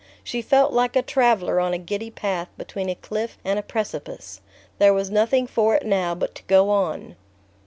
She felt like a traveller on a giddy path between a cliff and a precipice: there was nothing for it now but to go on.